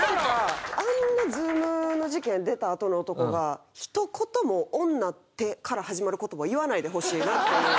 あんなＺｏｏｍの事件出たあとの男がひと言も「女って」から始まる言葉を言わないでほしいなっていう。